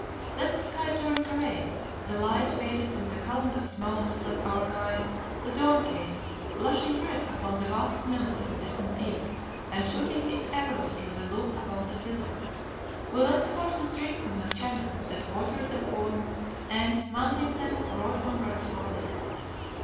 Then the sky turned grey, the light faded from the column of smoke that was our guide, the dawn came, blushing red upon the vast snows of the distant peak, and shooting its arrows through the loop above the pillar. We let the horses drink from a channel that watered the corn, and, mounting them, rode onward slowly.